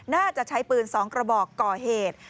น่าจะใช้ปืน๒กระบอกก่อเหตุ